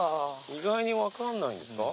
意外に分かんないんですか？